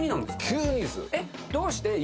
急にです。